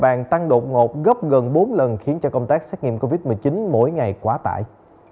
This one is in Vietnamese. bài bàn tăng độ ngột gấp gần bốn lần khiến cho công tác xét nghiệm covid một mươi chín mỗi ngày quá tải